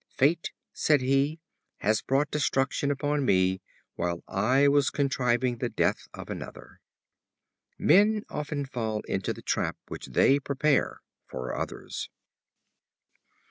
"Fate," said he, "has brought destruction upon me while I was contriving the death of another." Men often fall into the trap which they prepare for others.